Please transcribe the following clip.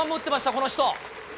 この人。